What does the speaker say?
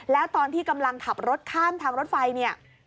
แล้วตอนที่กำลังขับรถข้ามทางรถไฟเนี่ย